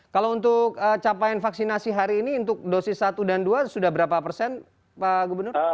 kalau untuk capaian vaksinasi hari ini untuk dosis satu dan dua sudah berapa persen pak gubernur